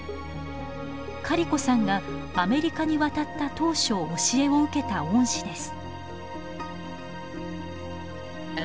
カリコさんがアメリカに渡った当初教えを受けた恩師です。